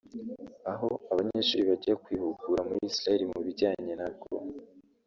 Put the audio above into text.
aho abanyeshuri bajya kwihugura muri Israel mu bijyanye nabwo